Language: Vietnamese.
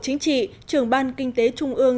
bộ chính trị trường ban kinh tế trung ương